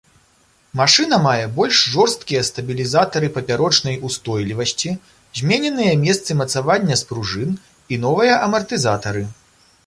Машына мае больш жорсткія стабілізатары папярочнай устойлівасці, змененыя месцы мацавання спружын і новыя амартызатары.